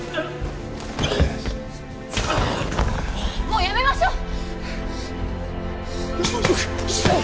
もうやめましょう！